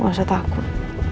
gak usah takut